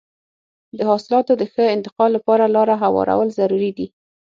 د حاصلاتو د ښه انتقال لپاره لاره هوارول ضروري دي.